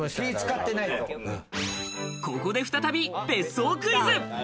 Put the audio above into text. ここで再び別荘クイズ。